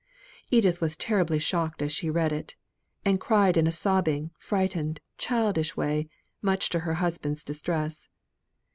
Edith was terribly shocked as she read it, and cried in a sobbing, frightened, childish way, much to her husband's distress.